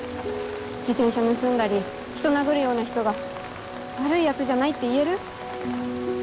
自転車盗んだり人殴るような人が悪いヤツじゃないって言える？